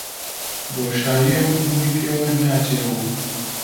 بۆشاییم مووی پێوە ناچێ و